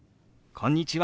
「こんにちは。